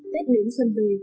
tết đến xuân về